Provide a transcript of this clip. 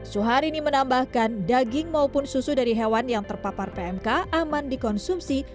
suharini menambahkan daging maupun susu dari hewan yang terpapar pmk aman dikonsumsi